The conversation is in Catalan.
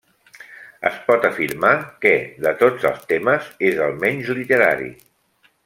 Es pot afirmar que, de tots els temes, és el menys literari.